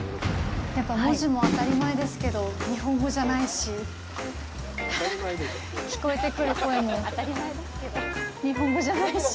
やっぱ文字も、当たり前ですけど日本語じゃないし、聞こえてくる声も日本語じゃないし。